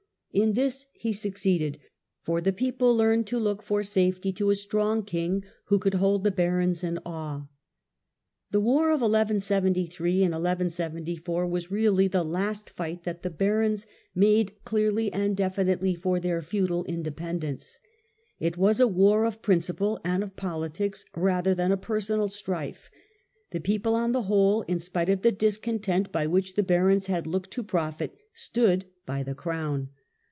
In this he succeeded, for the people learned to look for safety to a strong king who could hold the barons in awe. The war of 1173 II 74 was really the last fight that the barons The last fight made clearly and definitely for their feudal of feudalism, independence. It was a war of principle and of poli tics rather than a personal strife. The people on the whole, in spite of the discontent by which the barons had looked to profit, stood by the crown.